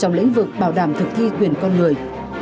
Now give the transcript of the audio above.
trong lĩnh vực bảo đảm thực thi quyền con người